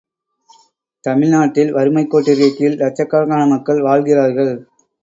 தமிழ் நாட்டில் வறுமைக் கோட்டிற்குக் கீழ் லட்சக்கணக்கான மக்கள் வாழ்கிறார்கள்.